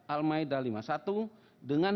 al maidah lima puluh satu dengan